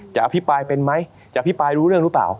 อภิปรายเป็นไหมจะอภิปรายรู้เรื่องหรือเปล่า